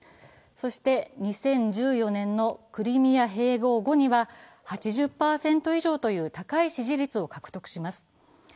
そして、２０１４年のクリミア併合後には８０％以上という高い支持率を獲得します。